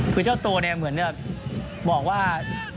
คือเจ้าตัวเนี่ยเหมือนแบบบอกว่า